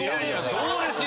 そうですよ。